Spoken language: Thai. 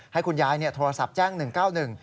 ให้คุณยายโทรศัพท์แจ้ง๑๙๑